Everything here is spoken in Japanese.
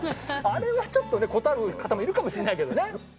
あれはちょっと断る方もいるかもしれないけどね。